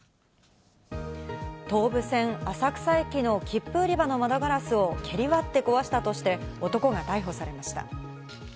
東武線・浅草駅の切符売り場の窓ガラスを蹴り割って壊したとして男が逮捕されました。